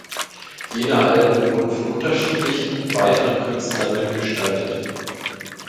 Jene Alben wurden von unterschiedlichen weiteren Künstlern mitgestaltet.